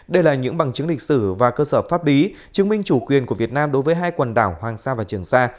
đây là những bằng chứng lịch sử và cơ sở pháp lý chứng minh chủ quyền của việt nam đối với hai quần đảo hoàng sa và trường sa